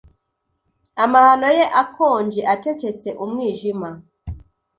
Amahano ye akonje acecetse umwijima